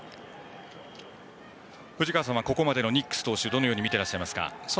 藤川さんはここまでのニックス投手をどのように見てらっしゃいますか。